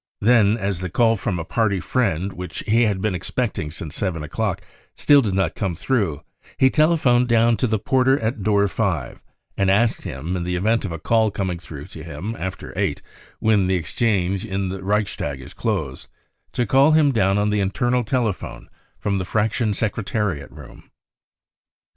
Then, as the call from a Party friend which he had been expecting since seven o'clock still did not come through, he telephoned down to the porter at door 5 and asked him, in the event of a call coining through to him after eight (when the exchange in the Reichstag closed), to call him down on the internal telephone from the Fraction secretariat room.